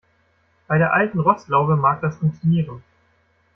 Bei der alten Rostlaube mag das funktionieren.